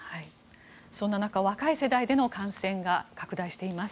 そんな中、若い世代での感染が拡大しています。